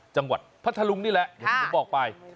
จังหวัดพระทะลุงนี่แหละอย่างที่ผมบอกไป